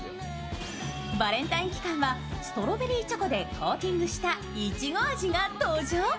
バレンタイン期間はストロベリーチョコでコーティングしたいちご味が登場。